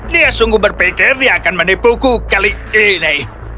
dia sungguh berpikir dia akan menipuku kali ini